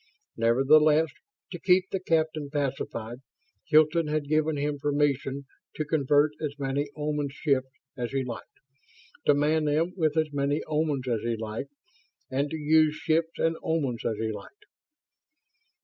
Nevertheless, to keep the captain pacified, Hilton had given him permission to convert as many Oman ships as he liked; to man them with as many Omans as he liked; and to use ships and Omans as he liked.